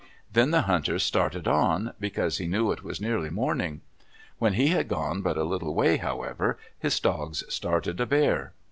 Then the hunter started on, because he knew it was nearly morning. When he had gone but a little way, however, his dogs started a bear.